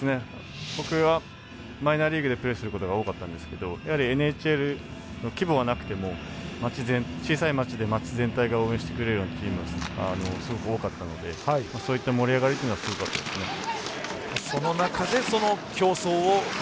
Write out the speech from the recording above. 僕は、マイナーリーグでプレーすることが多かったんですがやはり、ＮＨＬの規模がなくても小さい街全体が応援してくれるような地域がすごく多かったのでそういった盛り上がりというのはすごかったです。